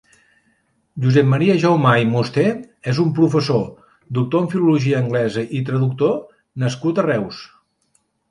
Josep Maria Jaumà i Musté és un professor, doctor en filologia anglesa i traductor nascut a Reus.